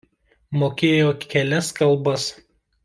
Mokėjo kelias kalbas.